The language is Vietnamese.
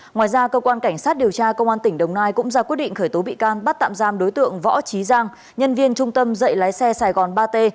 ngoài ra cơ quan cảnh sát điều tra công an tỉnh đồng nai cũng ra quyết định khởi tố bị can bắt tạm giam đối tượng võ trí giang nhân viên trung tâm dạy lái xe sài gòn ba t